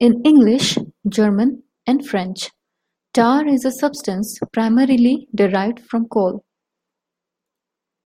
In English, German, and French, "tar" is a substance primarily derived from coal.